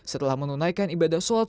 setelah menunaikan ibadah solat solat